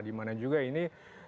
di mana juga ini